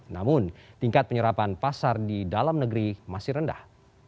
namun tingkat penyerapan pasar di dalam negeri masih rendah